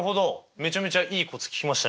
めちゃめちゃいいコツ聞きましたね。